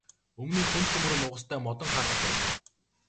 Өмнө нь хүнд төмөр нугастай модон хаалга байлаа.